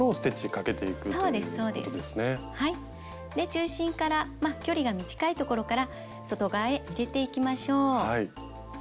中心から距離が短い所から外側へ入れていきましょう。